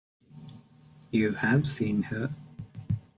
You have seen her.